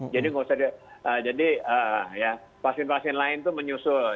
jadi nggak usah jadi vaksin vaksin lain itu menyusul